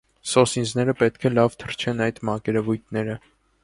Սոսինձները պետք է լավ թրջեն այդ մակերևույթները։